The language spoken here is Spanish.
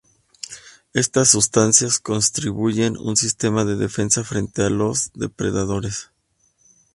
Estas sustancias constituyen un sistema de defensa frente a los depredadores.